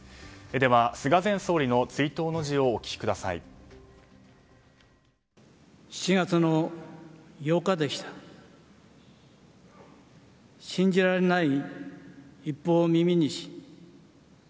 では菅前総理の追悼の辞をお聞きください。